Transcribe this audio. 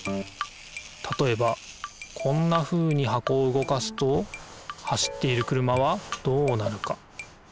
たとえばこんなふうに箱を動かすと走っている車はどうなるか？